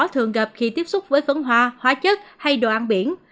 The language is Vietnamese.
thường gặp khi tiếp xúc với phấn hoa hóa chất hay đồ ăn biển